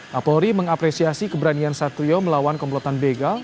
kapolri mengapresiasi keberanian satrio melawan komplotan begal